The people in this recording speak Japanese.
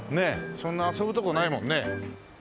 そんな遊ぶ所ないもんね。